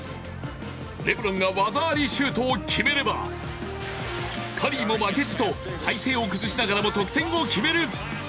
レブロンが技ありシュートを決めれば、カリーも負けじと体勢を崩しながらも得点を決める。